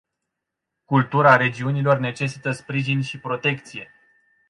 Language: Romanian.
Cultura regiunilor necesită sprijin și protecție.